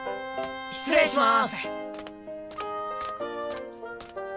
失礼します。